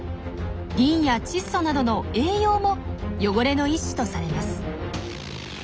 リンや窒素などの栄養も汚れの一種とされます。